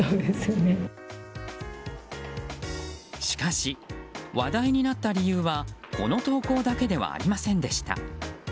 しかし、話題になった理由はこの投稿だけではありませんでした。